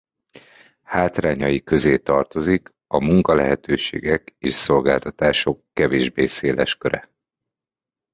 Hátrányai közé tartozik a munkalehetőségek és szolgáltatások kevésbé széles köre.